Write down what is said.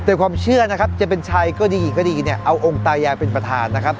แต่ความเชื่อนะครับจะเป็นชัยก็ดีก็ดีเนี่ยเอาองค์ตายายเป็นประธานนะครับ